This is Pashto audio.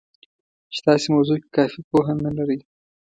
چې تاسې موضوع کې کافي پوهه نه لرئ